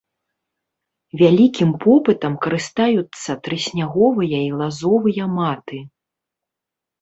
Вялікім попытам карыстаюцца трысняговыя і лазовыя маты.